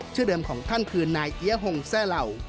ชื่อเดิมของท่านคือนายเอี๊ยหงแซ่เหล่า